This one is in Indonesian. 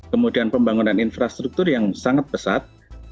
kemudian pembangunan infrastruktur yang sangat pesat